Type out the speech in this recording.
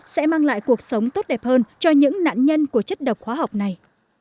sẽ mang lại cuộc sống tốt đẹp hơn cho những nạn nhân của chất độc hóa học này